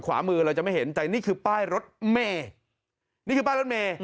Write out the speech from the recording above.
ขวามือเราจะไม่เห็นแต่นี่คือป้ายรถเมย์นี่คือป้ายรถเมย์